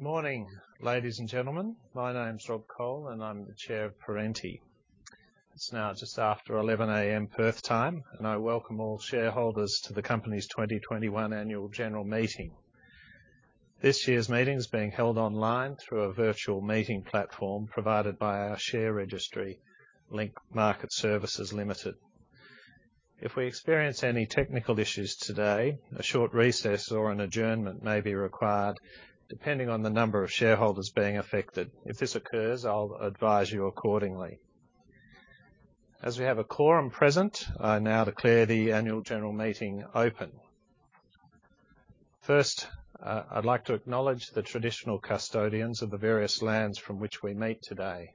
Morning, ladies and gentlemen. My name's Rob Cole, and I'm the Chair of Perenti. It's now just after 11:00 A.M. Perth time. I welcome all shareholders to the company's 2021 annual general meeting. This year's meeting is being held online through a virtual meeting platform provided by our share registry, Link Market Services Limited. If we experience any technical issues today, a short recess or an adjournment may be required depending on the number of shareholders being affected. If this occurs, I'll advise you accordingly. As we have a quorum present, I now declare the annual general meeting open. First, I'd like to acknowledge the traditional custodians of the various lands from which we meet today,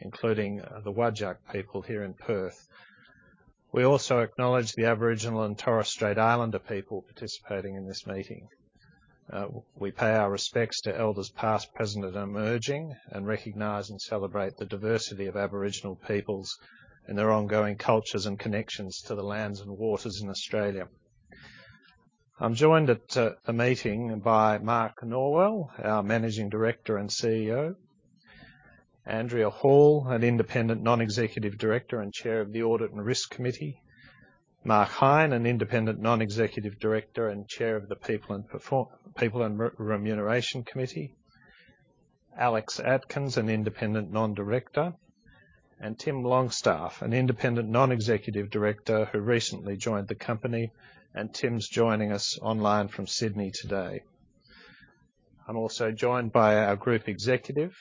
including the Whadjuk people here in Perth. We also acknowledge the Aboriginal and Torres Strait Islander people participating in this meeting. We pay our respects to elders past, present, and emerging, and recognize and celebrate the diversity of Aboriginal peoples and their ongoing cultures and connections to the lands and waters in Australia. I'm joined at the meeting by Mark Norwell, our Managing Director and CEO. Andrea Hall, an Independent Non-Executive Director and Chair of the Audit and Risk Committee. Mark Hine, an Independent Non-Executive Director and Chair of the People and Remuneration Committee. Alex Atkins, an Independent Non-Director. Tim Longstaff, an Independent Non-Executive Director who recently joined the company, and Tim's joining us online from Sydney today. I'm also joined by our Group Executive,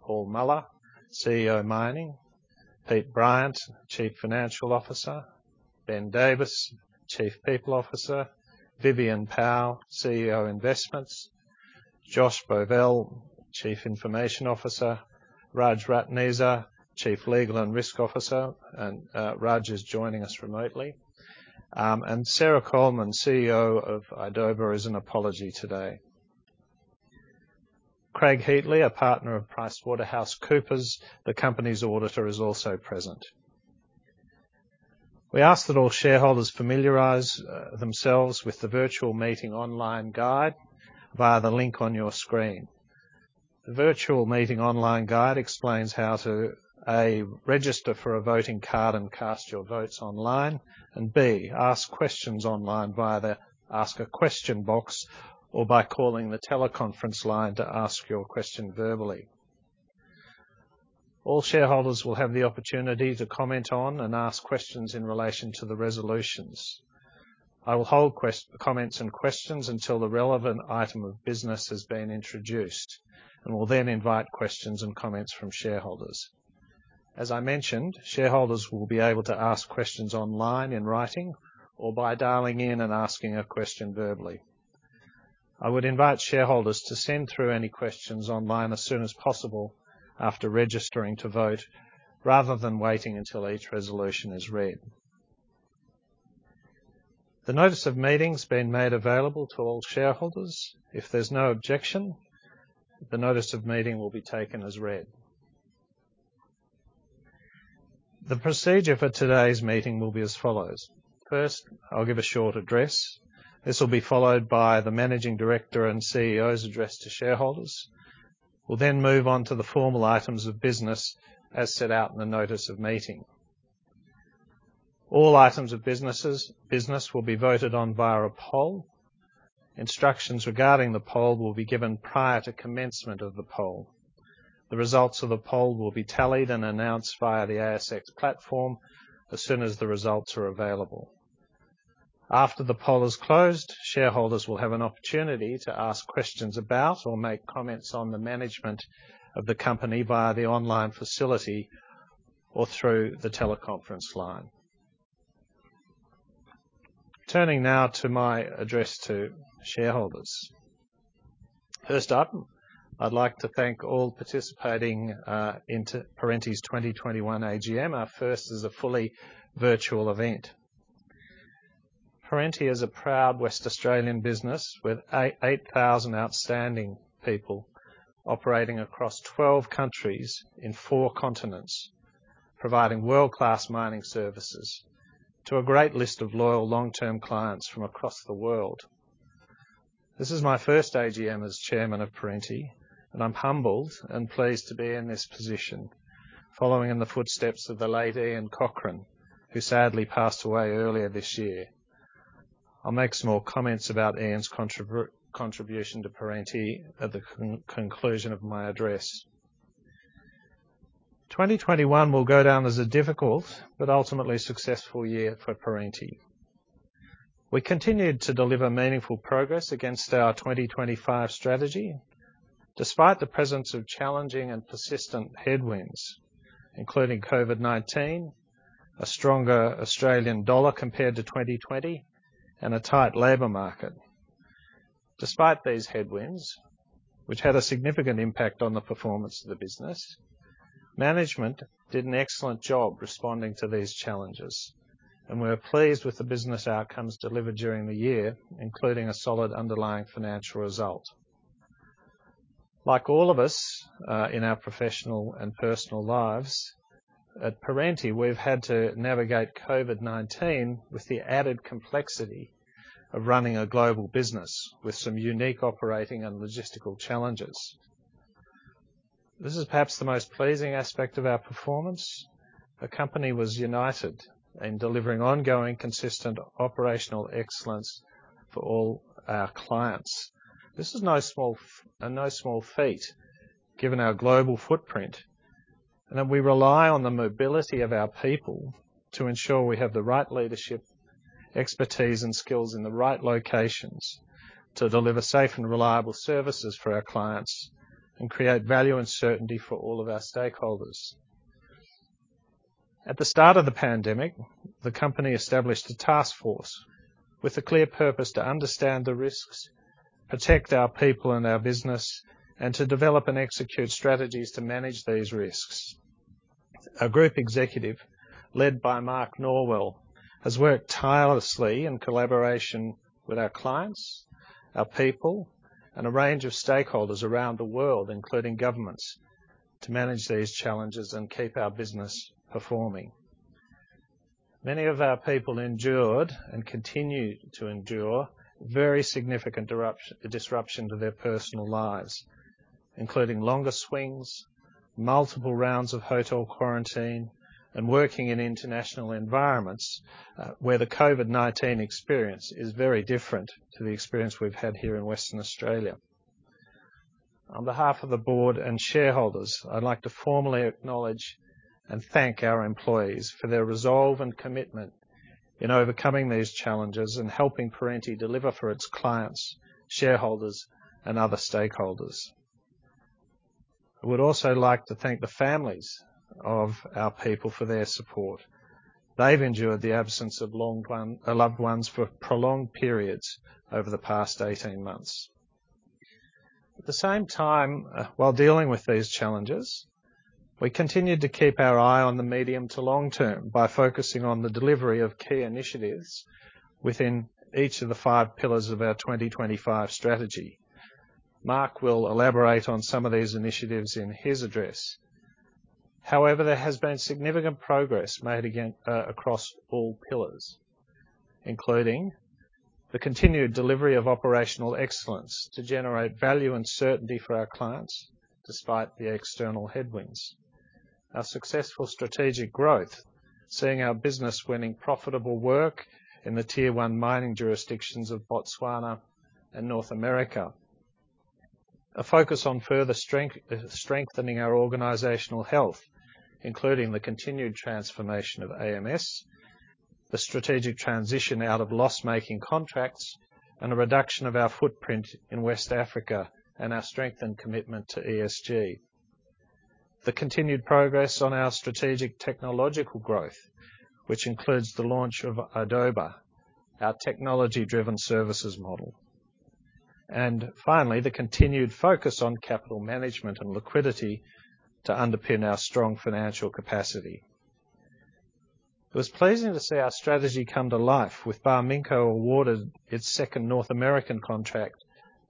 Paul Muller, CEO Mining. Peter Bryant, Chief Financial Officer. Ben Davis, Chief People Officer. Vivian Powell, CEO Investments. Joshua Bovell, Chief Information Officer. Raj Ratneser, Chief Legal and Risk Officer, and Raj is joining us remotely. Sarah Coleman, CEO of idoba, is in apology today. Craig Heatley, a partner of PricewaterhouseCoopers, the company's auditor, is also present. We ask that all shareholders familiarize themselves with the virtual meeting online guide via the link on your screen. The virtual meeting online guide explains how to, A, register for a voting card and cast your votes online. B, ask questions online via the Ask a Question box or by calling the teleconference line to ask your question verbally. All shareholders will have the opportunity to comment on and ask questions in relation to the resolutions. I will hold comments and questions until the relevant item of business has been introduced and will then invite questions and comments from shareholders. As I mentioned, shareholders will be able to ask questions online in writing or by dialing in and asking a question verbally. I would invite shareholders to send through any questions online as soon as possible after registering to vote, rather than waiting until each resolution is read. The notice of meeting's been made available to all shareholders. If there's no objection, the notice of meeting will be taken as read. The procedure for today's meeting will be as follows. First, I'll give a short address. This will be followed by the Managing Director and CEO's address to shareholders. We'll move on to the formal items of business as set out in the notice of meeting. All items of business will be voted on via a poll. Instructions regarding the poll will be given prior to commencement of the poll. The results of the poll will be tallied and announced via the ASX platform as soon as the results are available. After the poll is closed, shareholders will have an opportunity to ask questions about or make comments on the management of the company via the online facility or through the teleconference line. Turning now to my address to shareholders. First item, I'd like to thank all participating into Perenti's 2021 AGM, our first as a fully virtual event. Perenti is a proud West Australian business with 8,000 outstanding people operating across 12 countries in four continents, providing world-class mining services to a great list of loyal long-term clients from across the world. This is my first AGM as Chairman of Perenti. I'm humbled and pleased to be in this position following in the footsteps of the late Ian Cochrane, who sadly passed away earlier this year. I'll make some more comments about Ian's contribution to Perenti at the conclusion of my address. 2021 will go down as a difficult but ultimately successful year for Perenti. We continued to deliver meaningful progress against our 2025 strategy despite the presence of challenging and persistent headwinds, including COVID-19, a stronger Australian dollar compared to 2020, and a tight labor market. Despite these headwinds, which had a significant impact on the performance of the business, management did an excellent job responding to these challenges. We're pleased with the business outcomes delivered during the year, including a solid underlying financial result. Like all of us in our professional and personal lives, at Perenti, we've had to navigate COVID-19 with the added complexity of running a global business with some unique operating and logistical challenges. This is perhaps the most pleasing aspect of our performance. The company was united in delivering ongoing, consistent operational excellence for all our clients. This is no small feat given our global footprint, and that we rely on the mobility of our people to ensure we have the right leadership, expertise, and skills in the right locations to deliver safe and reliable services for our clients and create value and certainty for all of our stakeholders. At the start of the pandemic, the company established a task force with a clear purpose to understand the risks, protect our people and our business, and to develop and execute strategies to manage these risks. Our group executive, led by Mark Norwell, has worked tirelessly in collaboration with our clients, our people, and a range of stakeholders around the world, including governments, to manage these challenges and keep our business performing. Many of our people endured, and continue to endure, very significant disruption to their personal lives, including longer swings, multiple rounds of hotel quarantine, and working in international environments, where the COVID-19 experience is very different to the experience we've had here in Western Australia. On behalf of the board and shareholders, I'd like to formally acknowledge and thank our employees for their resolve and commitment in overcoming these challenges and helping Perenti deliver for its clients, shareholders, and other stakeholders. I would also like to thank the families of our people for their support. They've endured the absence of loved ones for prolonged periods over the past 18 months. At the same time, while dealing with these challenges, we continued to keep our eye on the medium to long term by focusing on the delivery of key initiatives within each of the five pillars of our 2025 Strategy. Mark will elaborate on some of these initiatives in his address. There has been significant progress made across all pillars, including the continued delivery of operational excellence to generate value and certainty for our clients, despite the external headwinds. Our successful strategic growth, seeing our business winning profitable work in the tier 1 mining jurisdictions of Botswana and North America. A focus on further strengthening our organizational health, including the continued transformation of AMS, the strategic transition out of loss-making contracts, and a reduction of our footprint in West Africa and our strengthened commitment to ESG. The continued progress on our strategic technological growth, which includes the launch of idoba, our technology-driven services model. Finally, the continued focus on capital management and liquidity to underpin our strong financial capacity. It was pleasing to see our strategy come to life with Barminco awarded its second North American contract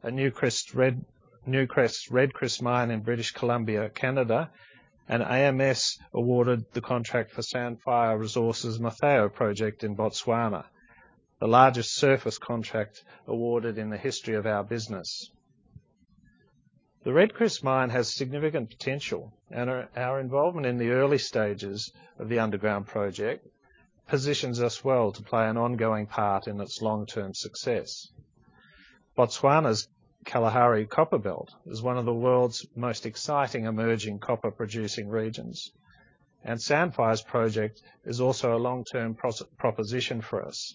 at Newcrest's Red Chris mine in British Columbia, Canada, and AMS awarded the contract for Sandfire Resources' Motheo project in Botswana, the largest surface contract awarded in the history of our business. The Red Chris mine has significant potential, and our involvement in the early stages of the underground project positions us well to play an ongoing part in its long-term success. Botswana's Kalahari Copper Belt is one of the world's most exciting emerging copper-producing regions, and Sandfire's project is also a long-term proposition for us.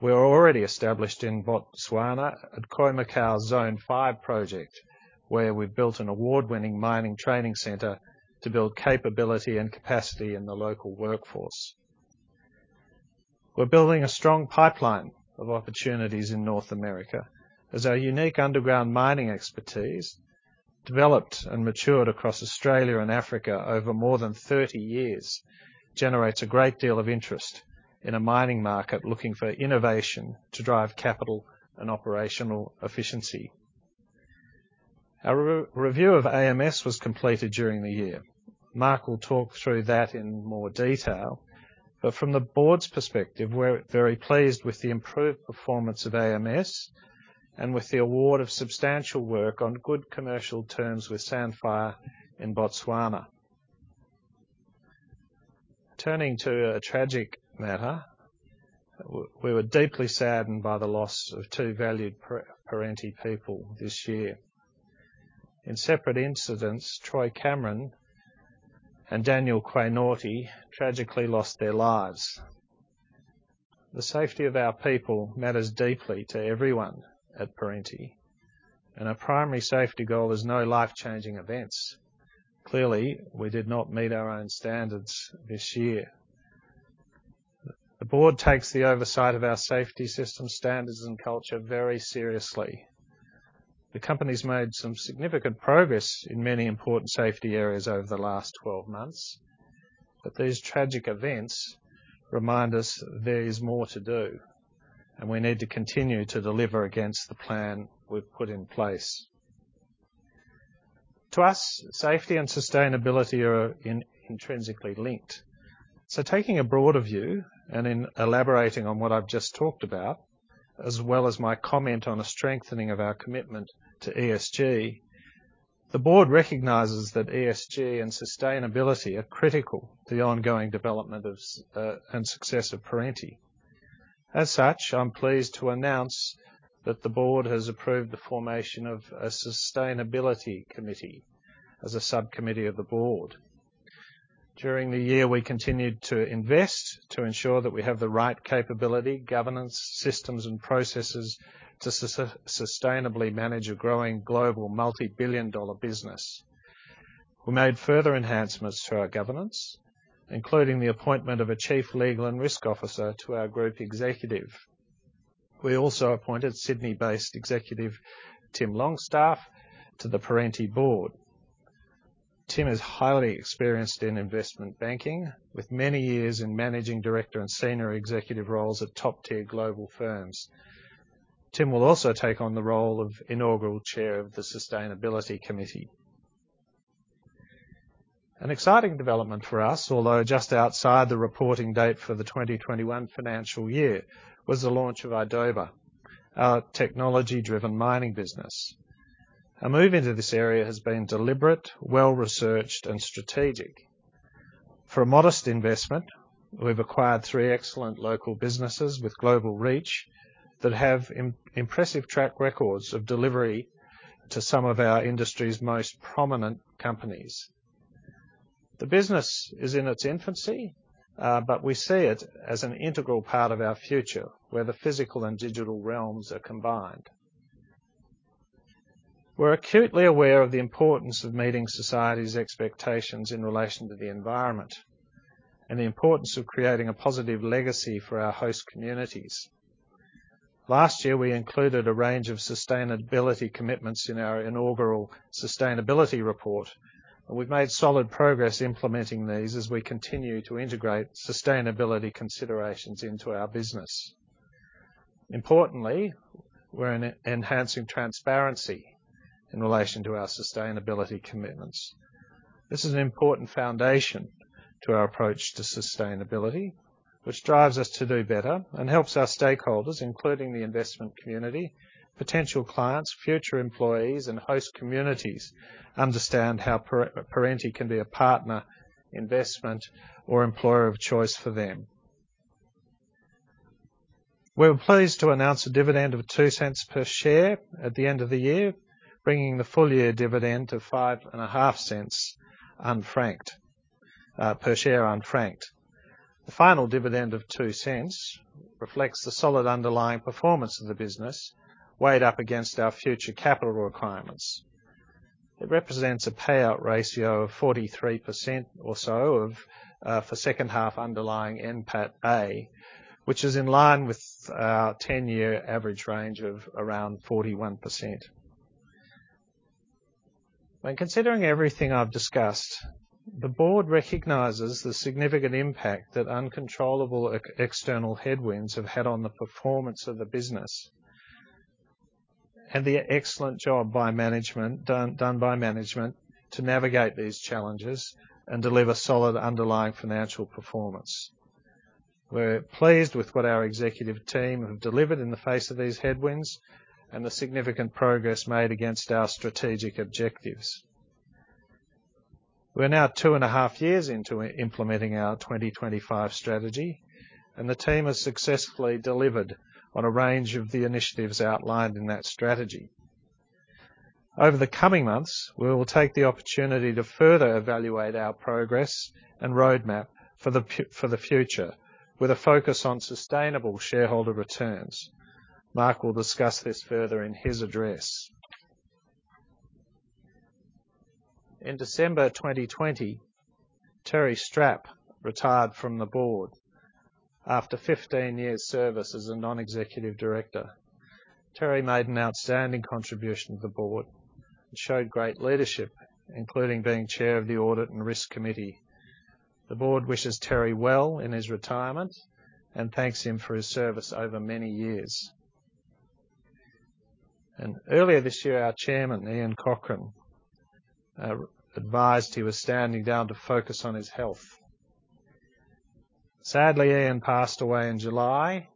We are already established in Botswana at Khoemacau's Zone five project, where we've built an award-winning mining training center to build capability and capacity in the local workforce. We're building a strong pipeline of opportunities in North America as our unique underground mining expertise, developed and matured across Australia and Africa over more than 30 years, generates a great deal of interest in a mining market looking for innovation to drive capital and operational efficiency. Our review of AMS was completed during the year. Mark will talk through that in more detail. From the board's perspective, we're very pleased with the improved performance of AMS and with the award of substantial work on good commercial terms with Sandfire in Botswana. Turning to a tragic matter, we were deeply saddened by the loss of two valued Perenti people this year. In separate incidents, Troy Cameron and Daniel Nuertey-Kwao Quaynortey tragically lost their lives. The safety of our people matters deeply to everyone at Perenti, our primary safety goal is no life-changing events. We did not meet our own standards this year. The Board takes the oversight of our safety system standards and culture very seriously. The company's made some significant progress in many important safety areas over the last 12 months. These tragic events remind us there is more to do, and we need to continue to deliver against the plan we've put in place. To us, safety and sustainability are intrinsically linked. Taking a broader view and in elaborating on what I've just talked about, as well as my comment on the strengthening of our commitment to ESG, the Board recognizes that ESG and sustainability are critical to the ongoing development and success of Perenti. As such, I'm pleased to announce that the Board has approved the formation of a Sustainability Committee as a subcommittee of the Board. During the year, we continued to invest to ensure that we have the right capability, governance, systems, and processes to sustainably manage a growing global multibillion-dollar business. We made further enhancements to our governance, including the appointment of a Chief Legal and Risk Officer to our group executive. We also appointed Sydney-based executive, Tim Longstaff, to the Perenti Board. Tim is highly experienced in investment banking, with many years in managing director and senior executive roles at top-tier global firms. Tim will also take on the role of inaugural chair of the Sustainability Committee. An exciting development for us, although just outside the reporting date for the 2021 financial year, was the launch of idoba, our technology-driven mining business. Our move into this area has been deliberate, well-researched, and strategic. For a modest investment, we've acquired three excellent local businesses with global reach that have impressive track records of delivery to some of our industry's most prominent companies. The business is in its infancy, but we see it as an integral part of our future where the physical and digital realms are combined. We're acutely aware of the importance of meeting society's expectations in relation to the environment and the importance of creating a positive legacy for our host communities. Last year, we included a range of sustainability commitments in our inaugural sustainability report. We've made solid progress implementing these as we continue to integrate sustainability considerations into our business. Importantly, we're enhancing transparency in relation to our sustainability commitments. This is an important foundation to our approach to sustainability, which drives us to do better and helps our stakeholders, including the investment community, potential clients, future employees, and host communities, understand how Perenti can be a partner, investment, or employer of choice for them. We were pleased to announce a dividend of 0.02 per share at the end of the year, bringing the full-year dividend to 0.055 per share, unfranked. The final dividend of 0.02 reflects the solid underlying performance of the business, weighed up against our future capital requirements. It represents a payout ratio of 43% or so for second half underlying NPATA, which is in line with our 10-year average range of around 41%. When considering everything I've discussed, the board recognizes the significant impact that uncontrollable external headwinds have had on the performance of the business and the excellent job done by management to navigate these challenges and deliver solid underlying financial performance. We're pleased with what our executive team have delivered in the face of these headwinds and the significant progress made against our strategic objectives. We're now 2.5 years into implementing our 2025 strategy, and the team has successfully delivered on a range of the initiatives outlined in that strategy. Over the coming months, we will take the opportunity to further evaluate our progress and roadmap for the future with a focus on sustainable shareholder returns. Mark will discuss this further in his address. In December 2020, Terry Strapp retired from the board after 15 years' service as a non-executive director. Terry made an outstanding contribution to the board and showed great leadership, including being chair of the Audit and Risk Committee. The board wishes Terry well in his retirement and thanks him for his service over many years. Earlier this year, our Chairman, Ian Cochrane, advised he was standing down to focus on his health. Sadly, Ian passed away in July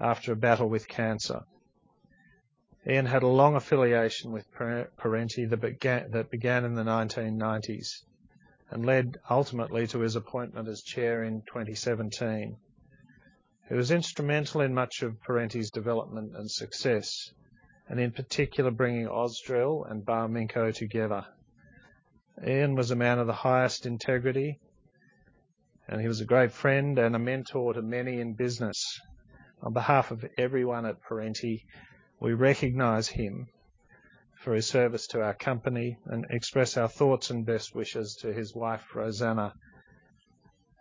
after a battle with cancer. Ian had a long affiliation with Perenti that began in the 1990s and led ultimately to his appointment as chair in 2017. He was instrumental in much of Perenti's development and success, and in particular, bringing Ausdrill and Barminco together. Ian was a man of the highest integrity, and he was a great friend and a mentor to many in business. On behalf of everyone at Perenti, we recognize him for his service to our company and express our thoughts and best wishes to his wife, Rosanna,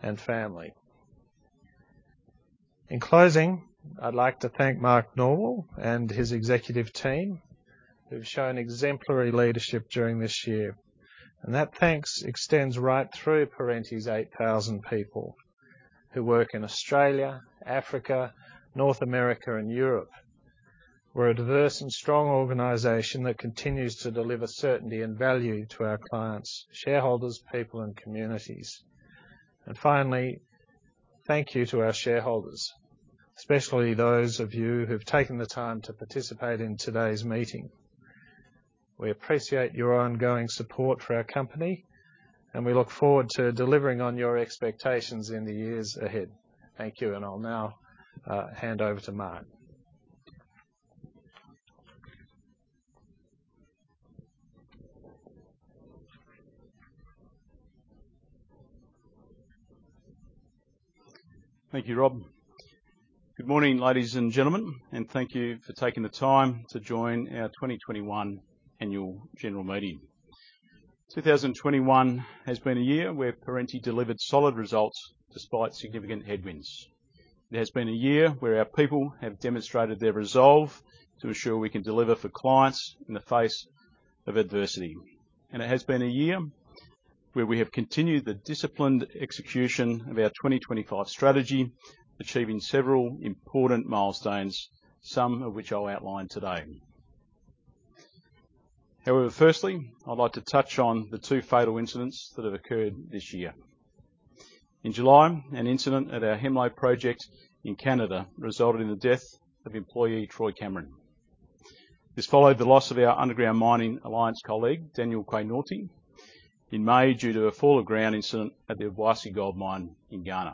and family. In closing, I'd like to thank Mark Norwell and his executive team, who've shown exemplary leadership during this year. That thanks extends right through Perenti's 8,000 people, who work in Australia, Africa, North America and Europe. We're a diverse and strong organization that continues to deliver certainty and value to our clients, shareholders, people, and communities. Finally, thank you to our shareholders, especially those of you who've taken the time to participate in today's meeting. We appreciate your ongoing support for our company, and we look forward to delivering on your expectations in the years ahead. Thank you, and I'll now hand over to Mark Norwell. Thank you, Rob. Good morning, ladies and gentlemen, and thank you for taking the time to join our 2021 Annual General Meeting. 2021 has been a year where Perenti delivered solid results despite significant headwinds. It has been a year where our people have demonstrated their resolve to ensure we can deliver for clients in the face of adversity. It has been a year where we have continued the disciplined execution of our 2025 strategy, achieving several important milestones, some of which I'll outline today. However, firstly, I'd like to touch on the two fatal incidents that have occurred this year. In July, an incident at our Hemlo project in Canada resulted in the death of employee Troy Cameron. This followed the loss of our Underground Mining Alliance colleague, Daniel Quainoo, in May due to a fall of ground incident at the Obuasi Gold Mine in Ghana.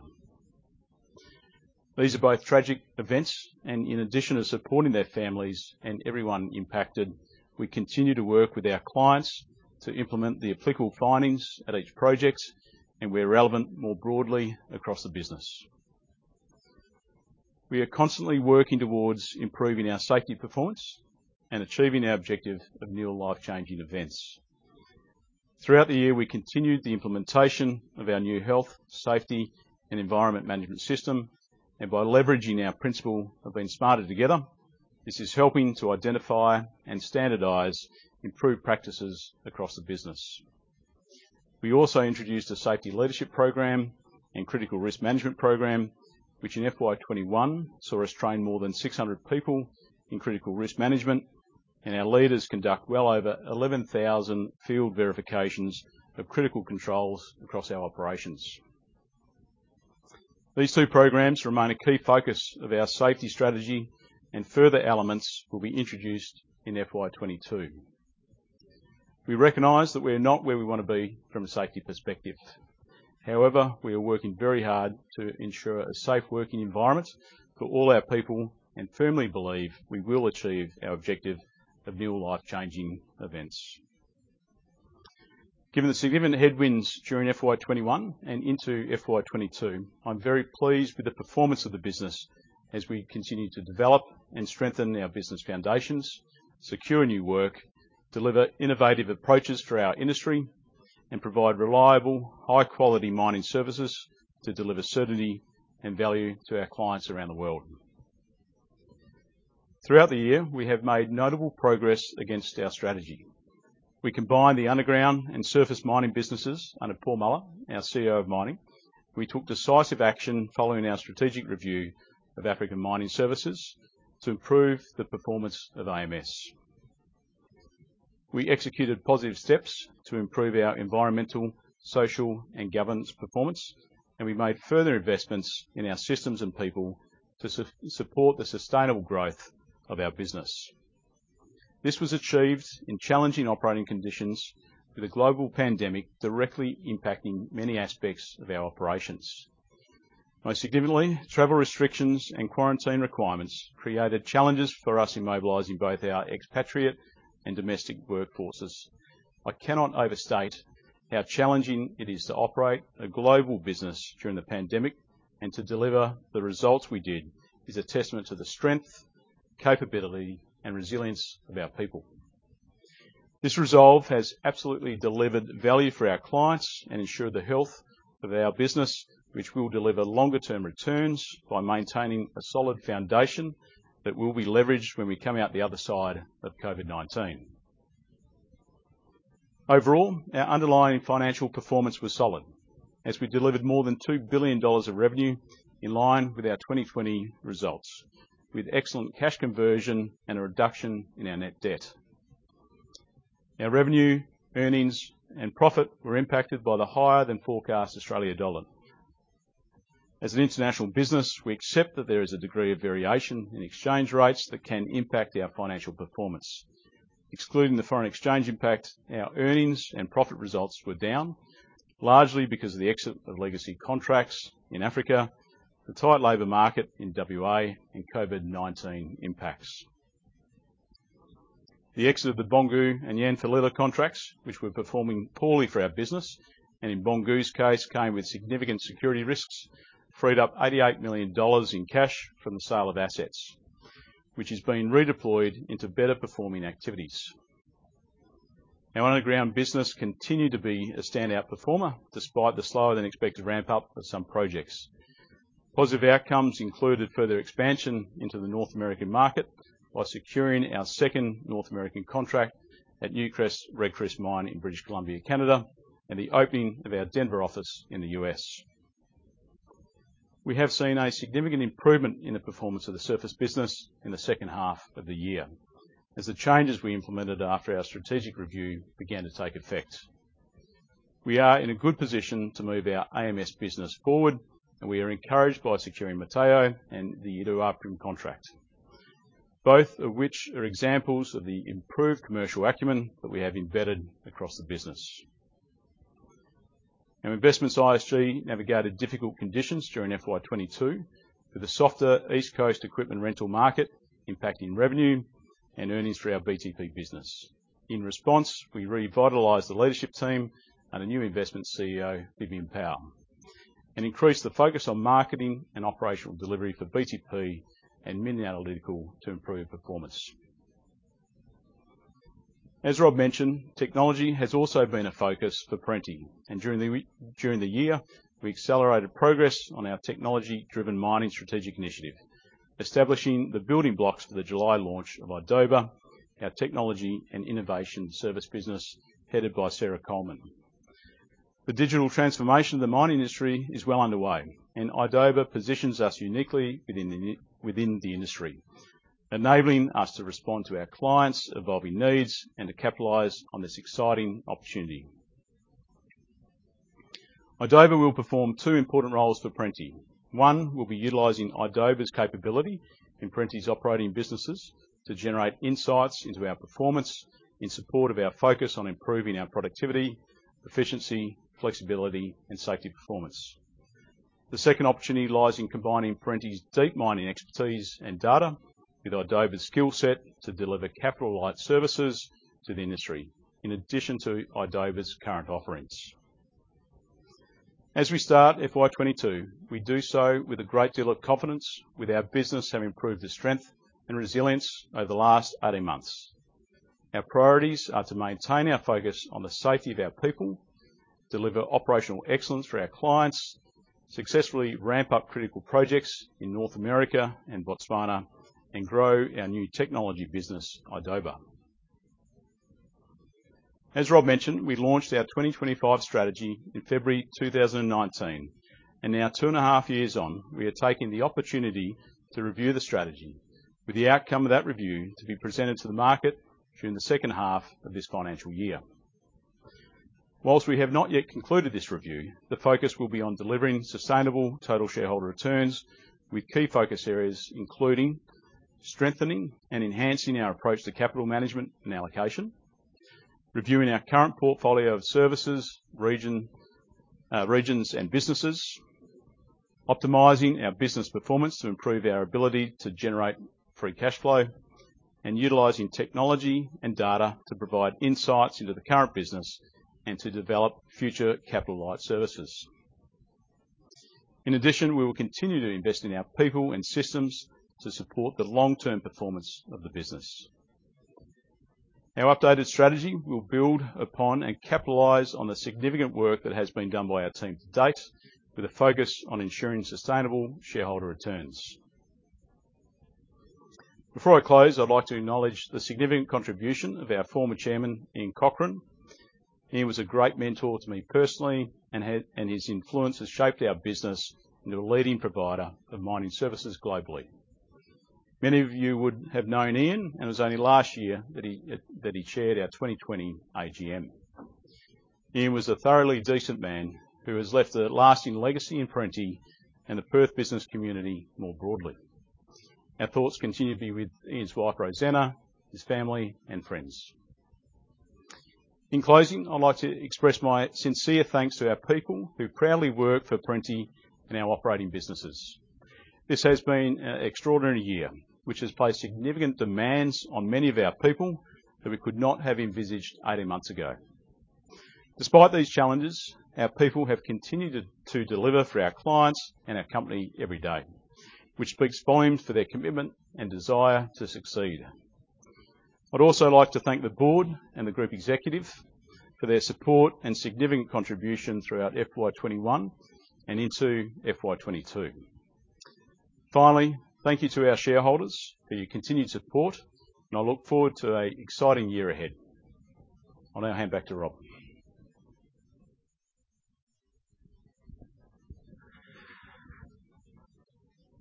These are both tragic events, and in addition to supporting their families and everyone impacted, we continue to work with our clients to implement the applicable findings at each project and where relevant more broadly across the business. We are constantly working towards improving our safety performance and achieving our objective of nil life-changing events. Throughout the year, we continued the implementation of our new health, safety, and environment management system, and by leveraging our principle of being smarter together, this is helping to identify and standardize improved practices across the business. We also introduced a safety leadership program and critical risk management program, which in FY 2021 saw us train more than 600 people in critical risk management, and our leaders conduct well over 11,000 field verifications of critical controls across our operations. These two programs remain a key focus of our safety strategy and further elements will be introduced in FY 2022. We recognize that we're not where we want to be from a safety perspective. However, we are working very hard to ensure a safe working environment for all our people and firmly believe we will achieve our objective of nil life-changing events. Given the significant headwinds during FY 2021 and into FY 2022, I'm very pleased with the performance of the business as we continue to develop and strengthen our business foundations, secure new work, deliver innovative approaches for our industry, and provide reliable, high-quality mining services to deliver certainty and value to our clients around the world. Throughout the year, we have made notable progress against our strategy. We combined the underground and surface mining businesses under Paul Muller, our CEO of mining. We took decisive action following our strategic review of African Mining Services to improve the performance of AMS. We executed positive steps to improve our environmental, social, and governance performance. We made further investments in our systems and people to support the sustainable growth of our business. This was achieved in challenging operating conditions with a global pandemic directly impacting many aspects of our operations. Most significantly, travel restrictions and quarantine requirements created challenges for us in mobilizing both our expatriate and domestic workforces. I cannot overstate how challenging it is to operate a global business during the pandemic and to deliver the results we did is a testament to the strength, capability, and resilience of our people. This resolve has absolutely delivered value for our clients and ensured the health of our business, which will deliver longer-term returns by maintaining a solid foundation that will be leveraged when we come out the other side of COVID-19. Overall, our underlying financial performance was solid as we delivered more than 2 billion dollars of revenue in line with our 2020 results with excellent cash conversion and a reduction in our net debt. Our revenue, earnings, and profit were impacted by the higher than forecast Australia dollar. As an international business, we accept that there is a degree of variation in exchange rates that can impact our financial performance. Excluding the foreign exchange impact, our earnings and profit results were down, largely because of the exit of legacy contracts in Africa, the tight labour market in WA, and COVID-19 impacts. The exit of the Boungou and Yanfolila contracts, which were performing poorly for our business, and in Boungou's case, came with significant security risks, freed up 88 million dollars in cash from the sale of assets, which is being redeployed into better performing activities. Our underground business continued to be a standout performer despite the slower than expected ramp-up of some projects. Positive outcomes included further expansion into the North American market by securing our second North American contract at Newcrest Red Chris Mine in British Columbia, Canada, and the opening of our Denver office in the U.S. We have seen a significant improvement in the performance of the surface business in the second half of the year, as the changes we implemented after our strategic review began to take effect. We are in a good position to move our AMS business forward, and we are encouraged by securing Motheo and the Iduapriem contract, both of which are examples of the improved commercial acumen that we have embedded across the business. Our investments ISG navigated difficult conditions during FY 2022, with a softer East Coast equipment rental market impacting revenue and earnings for our BTP business. In response, we revitalized the leadership team under new investment CEO, Vivian Powell, and increased the focus on marketing and operational delivery for BTP and MinAnalytical to improve performance. As Rob mentioned, technology has also been a focus for Perenti, and during the year, we accelerated progress on our technology-driven mining strategic initiative, establishing the building blocks for the July launch of idoba, our technology and innovation service business headed by Sarah Coleman. The digital transformation of the mining industry is well underway. idoba positions us uniquely within the industry, enabling us to respond to our clients' evolving needs and to capitalize on this exciting opportunity. idoba will perform two important roles for Perenti. One, we'll be utilizing idoba's capability in Perenti's operating businesses to generate insights into our performance in support of our focus on improving our productivity, efficiency, flexibility, and safety performance. The second opportunity lies in combining Perenti's deep mining expertise and data with idoba's skill set to deliver capital light services to the industry, in addition to idoba's current offerings. As we start FY 2022, we do so with a great deal of confidence with our business having improved its strength and resilience over the last 18 months. Our priorities are to maintain our focus on the safety of our people, deliver operational excellence for our clients, successfully ramp up critical projects in North America and Botswana, and grow our new technology business, idoba. As Rob mentioned, we launched our 2025 strategy in February 2019, and now two and a half years on, we are taking the opportunity to review the strategy with the outcome of that review to be presented to the market during the second half of this financial year. We have not yet concluded this review, the focus will be on delivering sustainable total shareholder returns with key focus areas, including strengthening and enhancing our approach to capital management and allocation, reviewing our current portfolio of services, regions, and businesses, optimizing our business performance to improve our ability to generate free cash flow, and utilizing technology and data to provide insights into the current business and to develop future capital light services. In addition, we will continue to invest in our people and systems to support the long-term performance of the business. Our updated strategy will build upon and capitalize on the significant work that has been done by our team to date with a focus on ensuring sustainable shareholder returns. Before I close, I'd like to acknowledge the significant contribution of our former Chairman, Ian Cochrane. He was a great mentor to me personally, and his influence has shaped our business into a leading provider of mining services globally. Many of you would have known Ian, and it was only last year that he chaired our 2020 AGM. Ian was a thoroughly decent man who has left a lasting legacy in Perenti and the Perth business community more broadly. Our thoughts continue to be with Ian's wife, Rosanna, his family, and friends. In closing, I'd like to express my sincere thanks to our people who proudly work for Perenti in our operating businesses. This has been an extraordinary year, which has placed significant demands on many of our people that we could not have envisaged 18 months ago. Despite these challenges, our people have continued to deliver for our clients and our company every day, which speaks volumes for their commitment and desire to succeed. I'd also like to thank the board and the group executive for their support and significant contribution throughout FY 2021 and into FY 2022. Finally, thank you to our shareholders for your continued support, and I look forward to an exciting year ahead. I'll now hand back to Rob.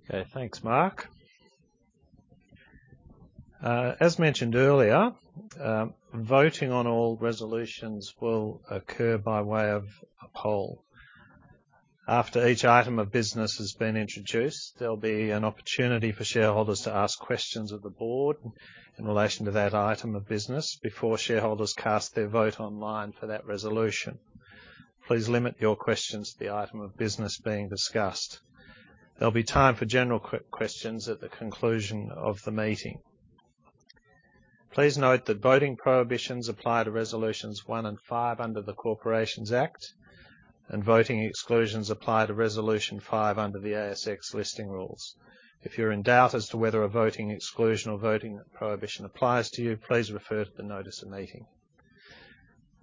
Okay. Thanks, Mark. As mentioned earlier, voting on all resolutions will occur by way of a poll. After each item of business has been introduced, there'll be an opportunity for shareholders to ask questions of the board in relation to that item of business before shareholders cast their vote online for that resolution. Please limit your questions to the item of business being discussed. There'll be time for general questions at the conclusion of the meeting. Please note that voting prohibitions apply to resolutions one and five under the Corporations Act, and voting exclusions apply to resolution five under the ASX Listing Rules. If you're in doubt as to whether a voting exclusion or voting prohibition applies to you, please refer to the notice of meeting.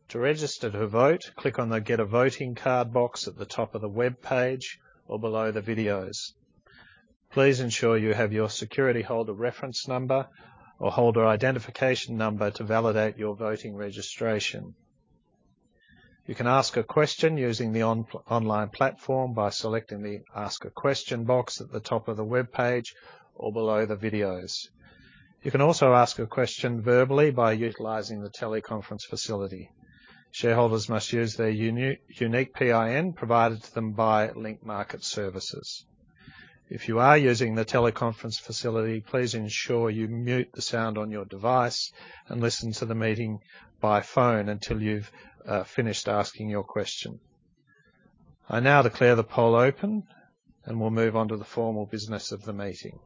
To register to vote, click on the Get A Voting Card box at the top of the webpage or below the videos. Please ensure you have your security holder reference number or holder identification number to validate your voting registration. You can ask a question using the online platform by selecting the Ask a Question box at the top of the webpage or below the videos. You can also ask a question verbally by utilizing the teleconference facility. Shareholders must use their unique PIN provided to them by Link Market Services. If you are using the teleconference facility, please ensure you mute the sound on your device and listen to the meeting by phone until you've finished asking your question. I now declare the poll open, and we'll move on to the formal business of the meeting.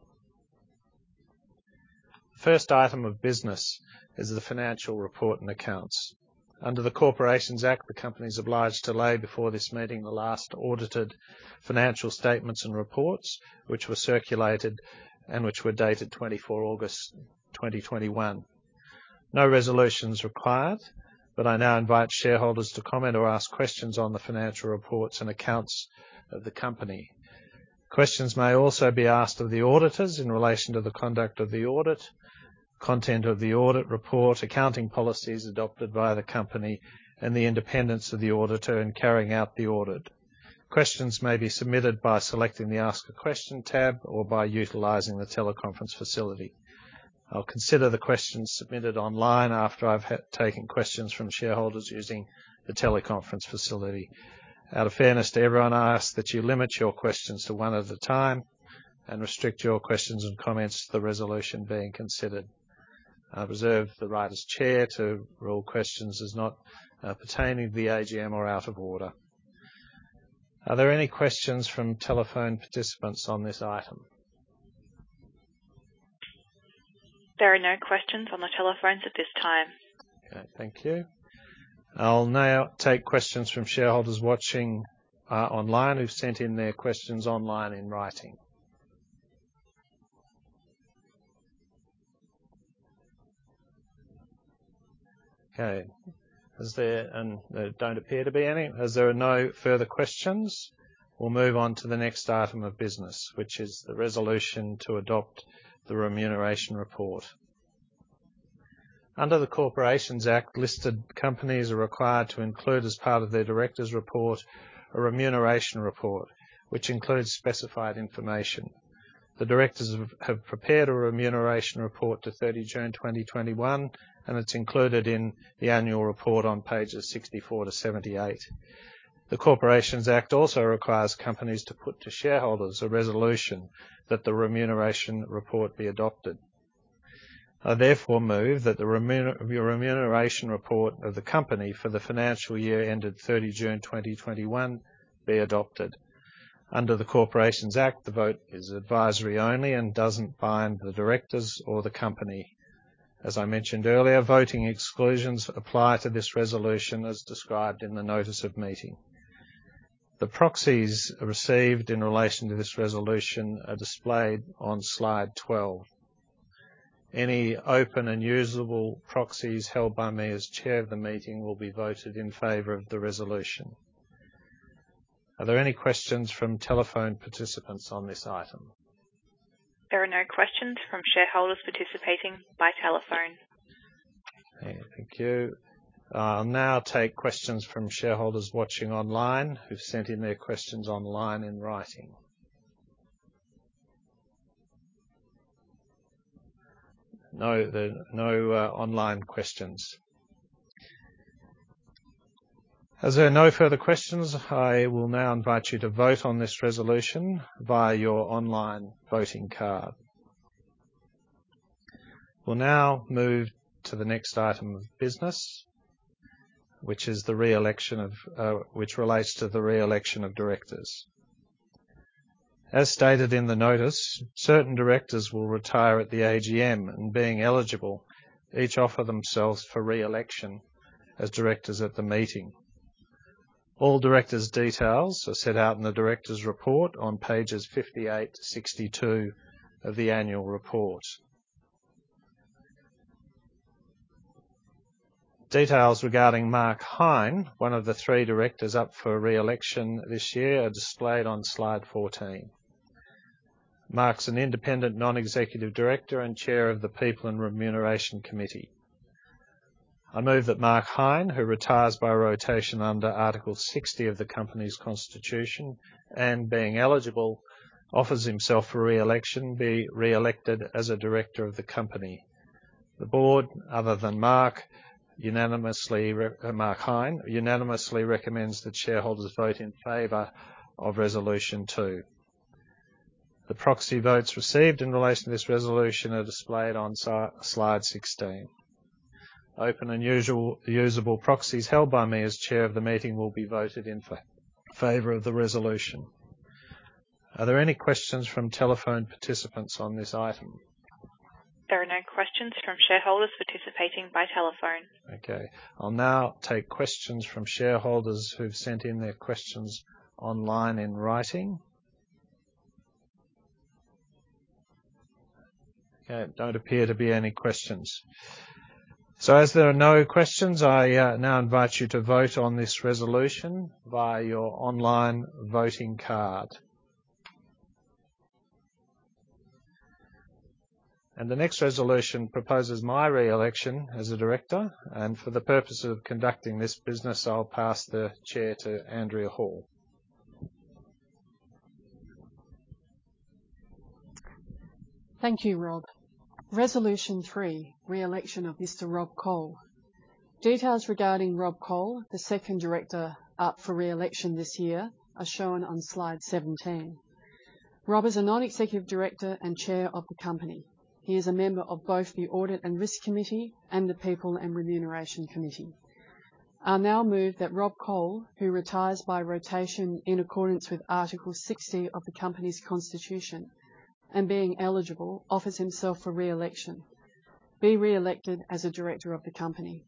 First item of business is the financial report and accounts. Under the Corporations Act, the company is obliged to lay before this meeting the last audited financial statements and reports, which were circulated and which were dated 24 August 2021. No resolution's required, I now invite shareholders to comment or ask questions on the financial reports and accounts of the company. Questions may also be asked of the auditors in relation to the conduct of the audit, content of the audit report, accounting policies adopted by the company, and the independence of the auditor in carrying out the audit. Questions may be submitted by selecting the Ask a Question tab or by utilizing the teleconference facility. I'll consider the questions submitted online after I've taken questions from shareholders using the teleconference facility. Out of fairness to everyone, I ask that you limit your questions to one at a time and restrict your questions and comments to the resolution being considered. I reserve the right as chair to rule questions as not pertaining to the AGM or out of order. Are there any questions from telephone participants on this item? There are no questions on the telephones at this time. Okay, thank you. I'll now take questions from shareholders watching online who've sent in their questions online in writing. There don't appear to be any. As there are no further questions, we'll move on to the next item of business, which is the resolution to adopt the remuneration report. Under the Corporations Act, listed companies are required to include as part of their directors' report a remuneration report, which includes specified information. The directors have prepared a remuneration report to 30 June 2021, and it's included in the annual report on pages 64 to 78. The Corporations Act also requires companies to put to shareholders a resolution that the remuneration report be adopted. I therefore move that the remuneration report of the company for the financial year ended 30 June 2021 be adopted. Under the Corporations Act, the vote is advisory only and doesn't bind the directors or the company. As I mentioned earlier, voting exclusions apply to this resolution as described in the notice of meeting. The proxies received in relation to this resolution are displayed on slide 12. Any open and usable proxies held by me as Chair of the meeting will be voted in favor of the resolution. Are there any questions from telephone participants on this item? There are no questions from shareholders participating by telephone. Okay, thank you. I'll now take questions from shareholders watching online who've sent in their questions online in writing. No online questions. As there are no further questions, I will now invite you to vote on this resolution via your online voting card. We'll now move to the next item of business, which relates to the re-election of directors. As stated in the notice, certain directors will retire at the AGM, and being eligible, each offer themselves for re-election as directors at the meeting. All directors' details are set out in the directors' report on pages 58 to 62 of the annual report. Details regarding Mark Hine, one of the three directors up for re-election this year, are displayed on slide 14. Mark's an Independent Non-Executive Director and Chair of the People and Remuneration Committee. I move that Mark Hine, who retires by rotation under Article 60 of the company's constitution and being eligible offers himself for re-election, be re-elected as a director of the company. The board, other than Mark Hine, unanimously recommends that shareholders vote in favor of Resolution 2. The proxy votes received in relation to this resolution are displayed on slide 16. Open and usable proxies held by me as chair of the meeting will be voted in favor of the resolution. Are there any questions from telephone participants on this item? There are no questions from shareholders participating by telephone. Okay. I'll now take questions from shareholders who've sent in their questions online in writing. Okay. Don't appear to be any questions. As there are no questions, I now invite you to vote on this resolution via your online voting card. The next resolution proposes my re-election as a director, and for the purpose of conducting this business, I'll pass the chair to Andrea Hall. Thank you, Rob. Resolution 3, Re-election of Mr. Rob Cole. Details regarding Rob Cole, the second director up for re-election this year, are shown on slide 17. Rob is a non-executive director and chair of the company. He is a member of both the Audit and Risk Committee and the People and Remuneration Committee. I now move that Rob Cole, who retires by rotation in accordance with Article 60 of the company's constitution, and being eligible, offers himself for re-election, be re-elected as a director of the company.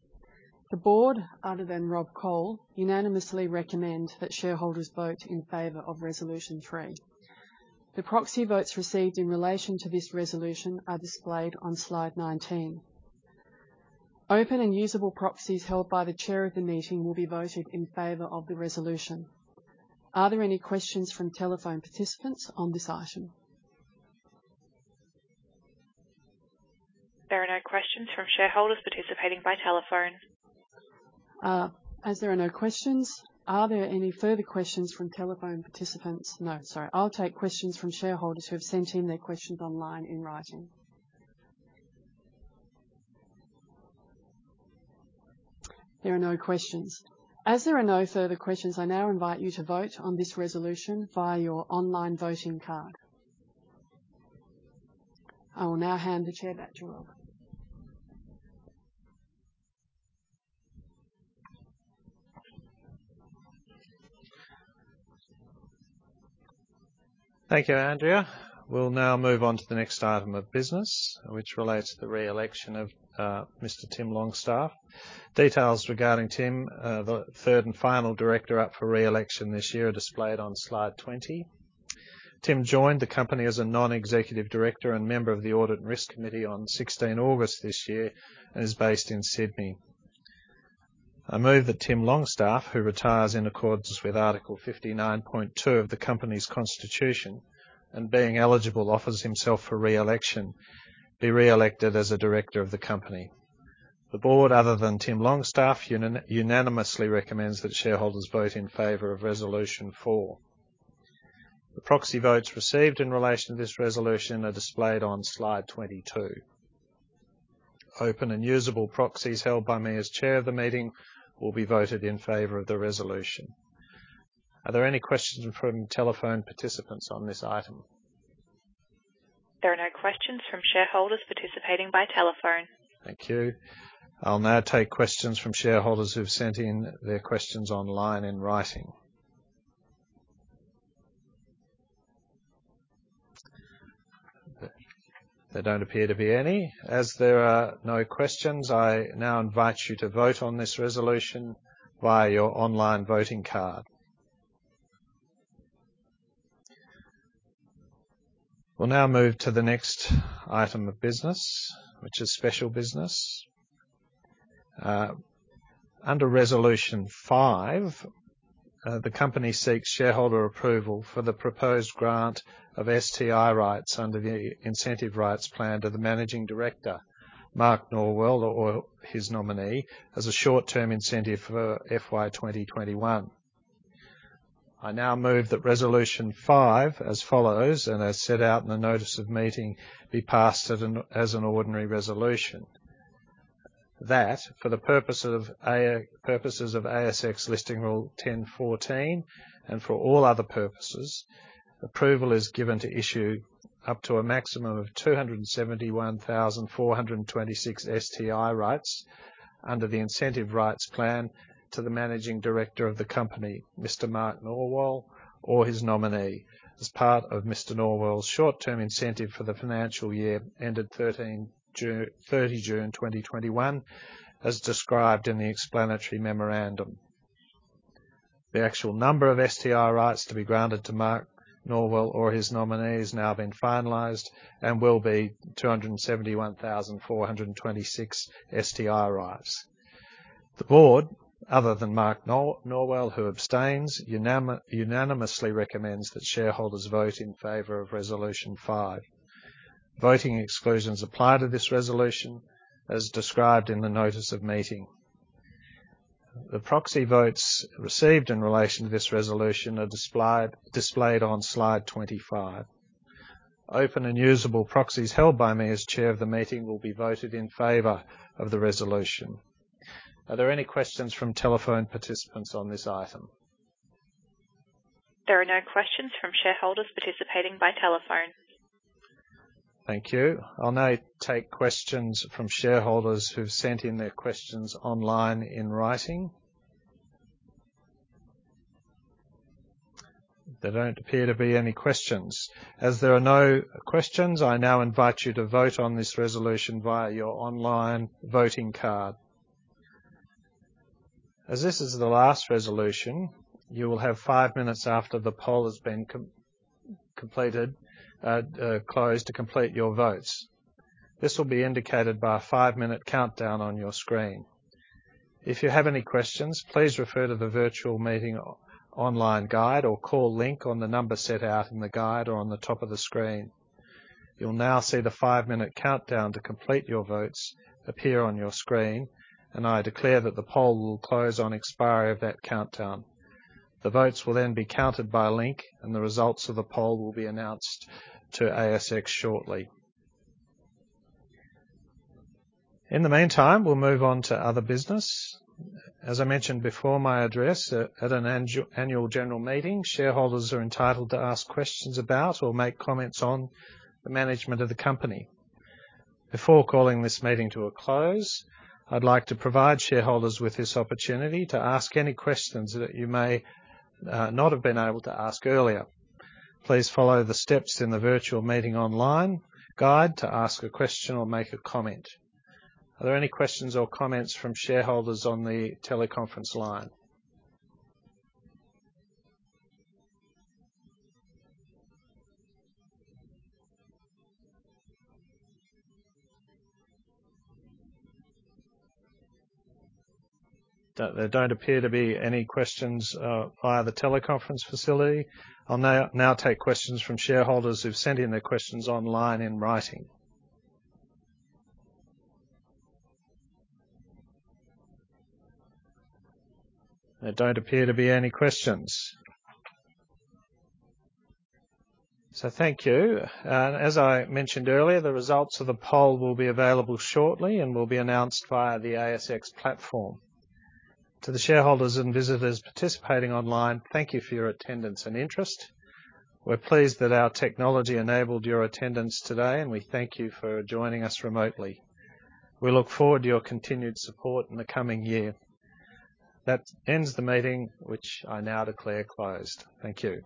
The board, other than Rob Cole, unanimously recommend that shareholders vote in favor of Resolution 3. The proxy votes received in relation to this resolution are displayed on slide 19. Open and usable proxies held by the chair of the meeting will be voted in favor of the resolution. Are there any questions from telephone participants on this item? There are no questions from shareholders participating by telephone. As there are no questions, are there any further questions from telephone participants? No, sorry. I'll take questions from shareholders who have sent in their questions online in writing. There are no questions. As there are no further questions, I now invite you to vote on this resolution via your online voting card. I will now hand the chair back to Rob. Thank you, Andrea. We'll now move on to the next item of business, which relates to the re-election of Mr. Tim Longstaff. Details regarding Tim, the third and final director up for re-election this year, are displayed on slide 20. Tim joined the company as a non-executive director and member of the Audit and Risk Committee on 16th August this year and is based in Sydney. I move that Tim Longstaff, who retires in accordance with Article 59.2 of the company's constitution, and being eligible, offers himself for re-election, be re-elected as a director of the company. The board, other than Tim Longstaff, unanimously recommends that shareholders vote in favor of Resolution 4. The proxy votes received in relation to this resolution are displayed on slide 22. Open and usable proxies held by me as chair of the meeting will be voted in favor of the resolution. Are there any questions from telephone participants on this item? There are no questions from shareholders participating by telephone. Thank you. I'll now take questions from shareholders who've sent in their questions online in writing. There don't appear to be any. As there are no questions, I now invite you to vote on this resolution via your online voting card. We'll now move to the next item of business, which is special business. Under Resolution 5, the company seeks shareholder approval for the proposed grant of STI rights under the Incentive Rights Plan to the managing director, Mark Norwell, or his nominee, as a short-term incentive for FY 2021. I now move that Resolution 5 as follows and as set out in the notice of meeting, be passed as an ordinary resolution. For the purposes of ASX Listing Rule 10.14 and for all other purposes, approval is given to issue up to a maximum of 271,426 STI rights under the Incentive Rights Plan to the Managing Director of the company, Mr. Mark Norwell or his nominee, as part of Mr. Norwell's short-term incentive for the financial year ended 30 June 2021, as described in the explanatory memorandum. The actual number of STI rights to be granted to Mark Norwell or his nominee has now been finalized and will be 271,426 STI rights. The Board, other than Mark Norwell, who abstains, unanimously recommends that shareholders vote in favor of Resolution 5. Voting exclusions apply to this resolution as described in the notice of meeting. The proxy votes received in relation to this resolution are displayed on slide 25. Open and usable proxies held by me as chair of the meeting will be voted in favor of the resolution. Are there any questions from telephone participants on this item? There are no questions from shareholders participating by telephone. Thank you. I'll now take questions from shareholders who've sent in their questions online in writing. There don't appear to be any questions. As there are no questions, I now invite you to vote on this resolution via your online voting card. As this is the last resolution, you will have five minutes after the poll has been closed to complete your votes. This will be indicated by a five minute countdown on your screen. If you have any questions, please refer to the virtual meeting online guide or call Link on the number set out in the guide or on the top of the screen. You'll now see the five minute countdown to complete your votes appear on your screen, and I declare that the poll will close on expiry of that countdown. The votes will then be counted by Link and the results of the poll will be announced to ASX shortly. In the meantime, we'll move on to other business. As I mentioned before my address, at an annual general meeting, shareholders are entitled to ask questions about or make comments on the management of the company. Before calling this meeting to a close, I'd like to provide shareholders with this opportunity to ask any questions that you may not have been able to ask earlier. Please follow the steps in the virtual meeting online guide to ask a question or make a comment. Are there any questions or comments from shareholders on the teleconference line? There don't appear to be any questions via the teleconference facility. I'll now take questions from shareholders who've sent in their questions online in writing. There don't appear to be any questions. Thank you. As I mentioned earlier, the results of the poll will be available shortly and will be announced via the ASX platform. To the shareholders and visitors participating online, thank you for your attendance and interest. We're pleased that our technology enabled your attendance today, and we thank you for joining us remotely. We look forward to your continued support in the coming year. That ends the meeting, which I now declare closed. Thank you.